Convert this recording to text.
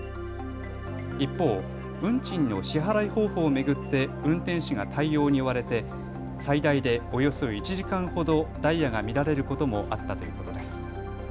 一方、運賃の支払い方法を巡って運転士が対応に追われて最大でおよそ１時間ほどダイヤが乱れることもあったということです。